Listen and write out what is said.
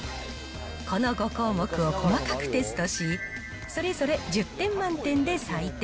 この５項目を細かくテストし、それぞれ１０点満点で採点。